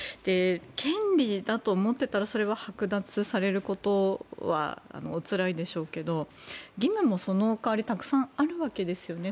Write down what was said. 権利だと思っていたらそれが剥奪されることはおつらいでしょうけど義務もその代わりたくさんあるわけですよね。